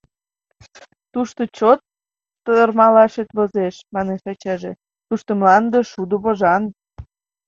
— Тушто чот тырмалашет возеш, — манеш ачаже, — тушто мланде шудо вожан.